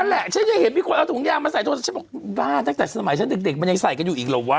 แหละฉันจะเห็นมีคนเอาถุงยางมาใส่โทรศัพท์ฉันบอกบ้าตั้งแต่สมัยฉันเด็กมันยังใส่กันอยู่อีกเหรอวะ